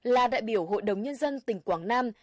là đại biểu hội đồng nhân dân tỉnh quảng nam